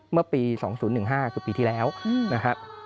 เมื่อปี๒๐๑๕คือปีที่แล้วนะครับ